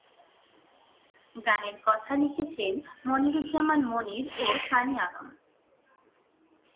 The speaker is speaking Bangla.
গানের কথা লিখেছেন মনিরুজ্জামান মনির ও সানি আলম।